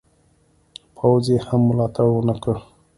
پوځ یې هم ملاتړ ونه کړ.